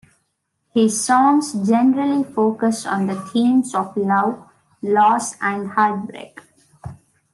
His songs generally focus on the themes of love, loss and heartbreak.